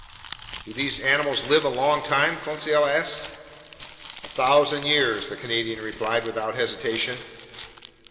"Do these animals live a long time?" Conseil asked. "A thousand years," the Canadian replied without hesitation.